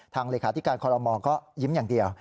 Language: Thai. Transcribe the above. เลขาธิการคอรมอลก็ยิ้มอย่างเดียว